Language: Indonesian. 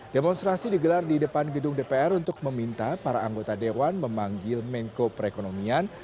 demonstrasi digelar di depan gedung dpr untuk meminta para anggota dewan memanggil mengko perekonomian